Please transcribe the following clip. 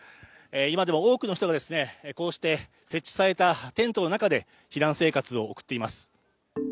今でも多くの人がこうして設置されたテントの中で避難生活を送っています。